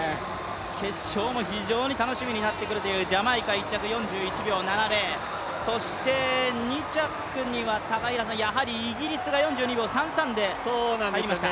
決勝も非常に楽しみになってくるというジャマイカ１着４１秒７０、そして２着にはやはりイギリスが４２秒３３で入りました。